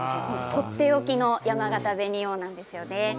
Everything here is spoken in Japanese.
とっておきのやまがた紅王なんですね。